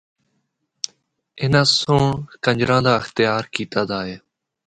اِناں سنڑ کنجراں دا اختیار کیتا دا ہے۔